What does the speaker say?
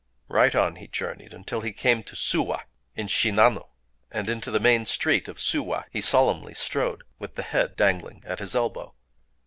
Right on he journeyed, until he came to Suwa in Shinano; (6) and into the main street of Suwa he solemnly strode, with the head dangling at his elbow.